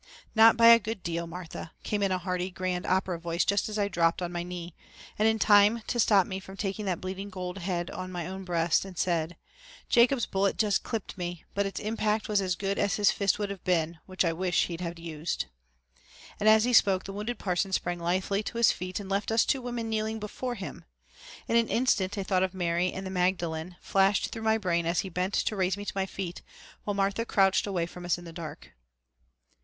"Not by a good deal, Martha," came in a hearty grand opera voice just as I dropped on my knee, and in time to stop me from taking that bleeding gold head on my own breast and "Jacob's bullet just clipped me but its impact was as good as his fist would have been, which I wish he had used." And as he spoke the wounded parson sprang lithely to his feet and left us two women kneeling before him. In an instant a thought of Mary and the Magdalen flashed through my brain as he bent to raise me to my feet, while Martha crouched away from us in the dark.